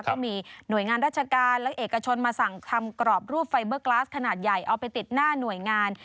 ก็มีหน่วยงานราชการและเอกชนมาสั่งทำกรอบรูปไฟเบอร์กลาสขนาดใหญ่เอาไปติดหน้าหน่วยงาน